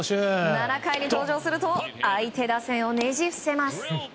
７回に登場すると相手をねじ伏せます。